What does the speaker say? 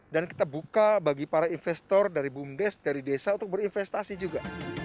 dan kita buka bagi para investor dari bumdes dari desa untuk berinvestasi juga